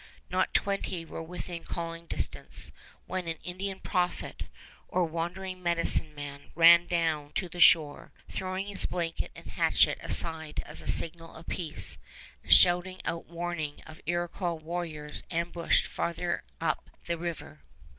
Not twenty were within calling distance when an Indian prophet, or wandering medicine man, ran down to the shore, throwing his blanket and hatchet aside as signal of peace, and shouting out warning of Iroquois warriors ambushed farther up the river.